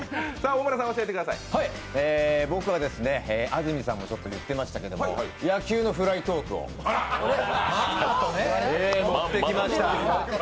僕は安住さんも言ってましたけど野球のフライトークを持ってきました。